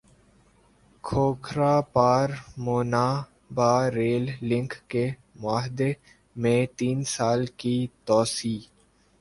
کھوکھرا پار Munabao rail link کے معاہدے میں تین سال کی توسیع